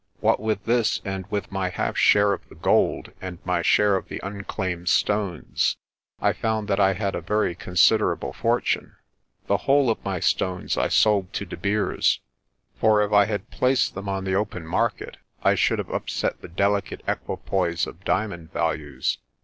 What with this and with my half share of the gold and my share of the unclaimed stones, I found that I had a very considerable fortune. The whole of my stones I sold to De Beers, for if I had placed them on the 268 PRESTER JOHN open market I should have upset the delicate equipoise of diamond values.